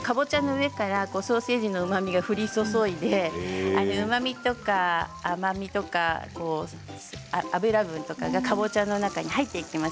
ソーセージのうまみがかぼちゃに降り注いでうまみとか甘みとか脂分とかかぼちゃの中に入っていきます。